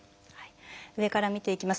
上から見ていきます。